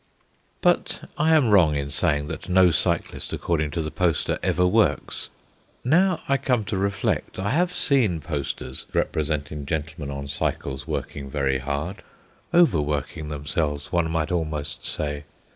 But I am wrong in saying that no cyclist, according to the poster, ever works. Now I come to reflect, I have seen posters representing gentlemen on cycles working very hard over working themselves, one might almost say.